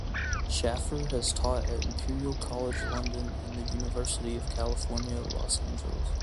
Schaffer has taught at Imperial College London and the University of California, Los Angeles.